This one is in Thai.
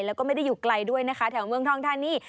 แล้วก็ไม่ได้อยู่ไกลด้วยนะคะแถวเมืองทองทานี